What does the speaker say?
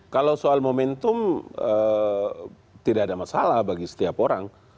kalau soal momentum tidak ada masalah bagi setiap orang